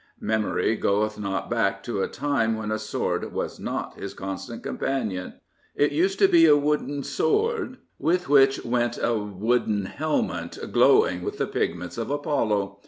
Memory goeth not back to a time when a sword was not his constant companion. It used to be a wooden sword, with which went a wooden 33 * Gilbert K. Chesterton helmet glowing with the pigments of Apollo.